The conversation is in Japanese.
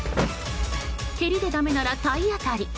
蹴りでだめなら体当たり。